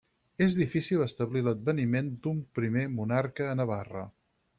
És difícil establir l'adveniment d'un primer monarca a Navarra.